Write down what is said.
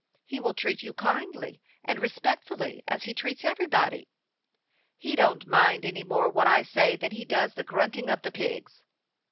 He will treat you kindly and respectfully, as he treats everybody." " He don't mind any more what I say than he does the grunting of the pigs."